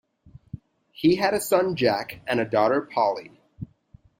He had a son, Jack and a daughter Polly.